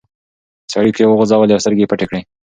سړي پښې وغځولې او سترګې پټې کړې.